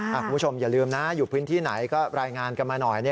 คุณผู้ชมอย่าลืมนะอยู่พื้นที่ไหนก็รายงานกันมาหน่อย